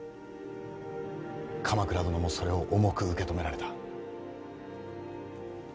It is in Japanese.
鎌倉殿もそれを重く受け止められた。